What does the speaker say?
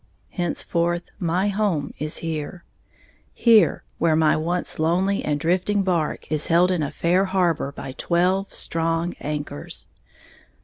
Henceforth my home is here, here, where my once lonely and drifting barque is held in a fair harbor by twelve strong anchors.